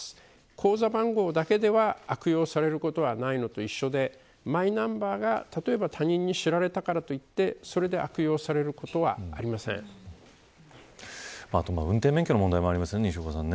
口座番号だけでは悪用されることはないのと一緒でマイナンバーが、例えば他人に知られたからといってそれで悪用されることはあと、運転免許の問題もありますよね。